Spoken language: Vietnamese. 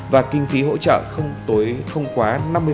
và kinh phí hỗ trợ không quá năm mươi